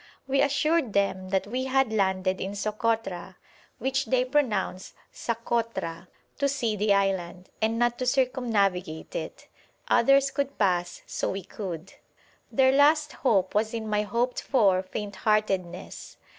We assured them that we had landed in Sokotra (which they pronounce Sakoutra) to see the island, and not to circumnavigate it. Others could pass, so we could. Their last hope was in my hoped for faintheartedness.